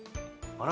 あら。